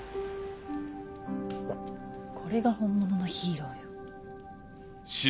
これが本物のヒーローよ。